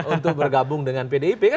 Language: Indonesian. untuk bergabung dengan pdip kan